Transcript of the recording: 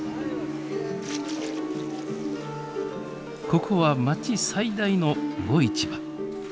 ここは町最大の魚市場。